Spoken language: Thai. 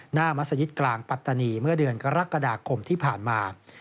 มัศยิตกลางปัตตานีเมื่อเดือนกรกฎาคมที่ผ่านมา